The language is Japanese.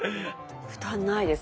負担ないです